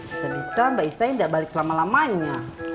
bisa bisa mbak isahnya indah balik selama lamanya